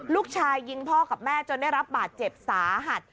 ลูกชายยิงพ่อกับแม่จนได้รับบาดเจ็บสาหัส